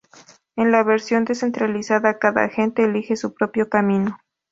En la versión "descentralizada", cada agente elige su propio camino.